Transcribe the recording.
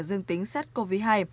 dương tính sars cov hai